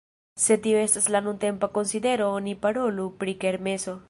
Se tio estas la nuntempa konsidero oni parolu pri kermeso.